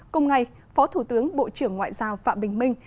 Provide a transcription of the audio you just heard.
cùng ngày phó thủ tướng bộ trưởng ngoại giao phạm bình minh